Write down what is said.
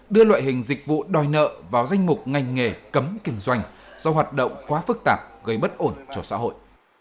đưa loại hình dịch vụ đòi nợ vào danh mục ngành nghề cấm kinh doanh do hoạt động quá phức tạp gây bất ổn cho xã hội